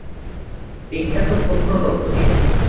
বিখ্যাত প্রত্নতত্ত্ববিদ।